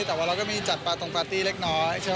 แต่ว่าเราก็มีจัดปาตรงปาร์ตี้เล็กน้อย